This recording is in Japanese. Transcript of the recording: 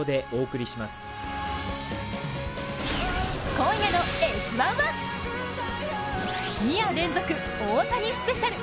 今夜の「Ｓ☆１」は２夜連続、大谷スペシャル。